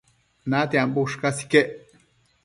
natiambo ushcas iquec